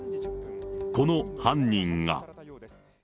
この犯人が。